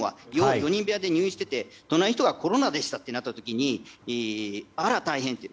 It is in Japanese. ４人部屋で入院していて隣の人がコロナでしたとなった時にあら大変って。